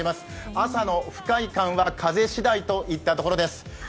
朝の不快感は風しだいといったところです。